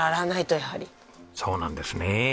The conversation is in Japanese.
そうなんですね。